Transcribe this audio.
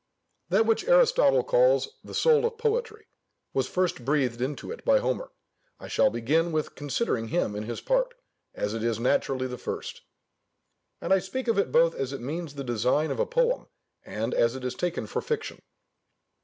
That which Aristotle calls "the soul of poetry," was first breathed into it by Homer. I shall begin with considering him in his part, as it is naturally the first; and I speak of it both as it means the design of a poem, and as it is taken for fiction.